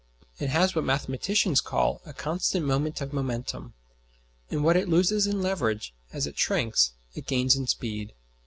It has what mathematicians call a constant moment of momentum; and what it loses in leverage, as it shrinks, it gains in speed.